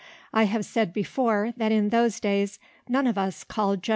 I have said before that in those days none of us called Gen'l.